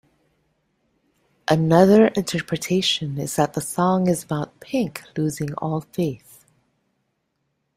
Another interpretation is that the song is about "Pink" losing all faith.